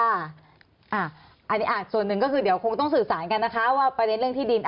อันนี้ส่วนหนึ่งก็คือเดี๋ยวคงต้องสื่อสารกันนะคะว่าประเด็นเรื่องที่ดิน